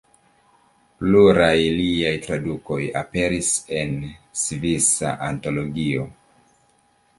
Pluraj liaj tradukoj aperis en Svisa antologio.